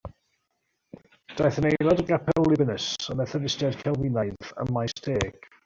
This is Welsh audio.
Daeth yn aelod o Gapel Libanus, Y Methodistiaid Calfinaidd, ym Maesteg.